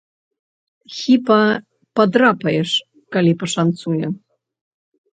Хіба падрапаеш, калі пашанцуе.